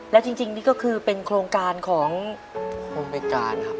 แล้วจริงจริงนี่ก็คือเป็นโครงการของผู้พิการครับ